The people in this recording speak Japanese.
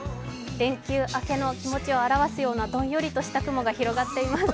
連休明けの気持ちを表すようなどんよりとした雲が広がっています。